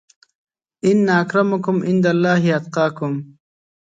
ان اکرمکم عندالله اتقاکم